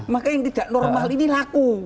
maka yang tidak normal ini laku